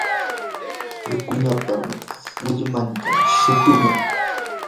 wikuñapa millwan chumpim.